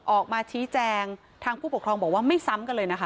ออกมาชี้แจงทางผู้ปกครองบอกว่าไม่ซ้ำกันเลยนะคะ